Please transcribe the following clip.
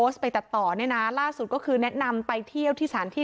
ชื่อภาพยนตร์